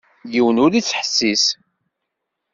Yiwen ur ittḥessis.